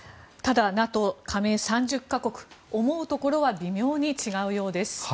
ただＮＡＴＯ加盟３０か国思うところは微妙に違うようです。